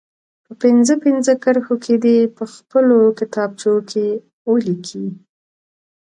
په پنځه پنځه کرښو کې دې په خپلو کتابچو کې ولیکي.